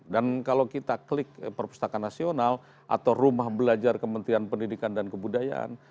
dan kalau kita klik perpustakaan nasional atau rumah belajar kementerian pendidikan dan kebudayaan